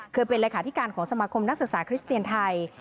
เป็นเลขาธิการของสมาคมนักศึกษาคริสเตียนไทย